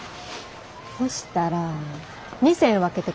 ほしたら２銭分けてください。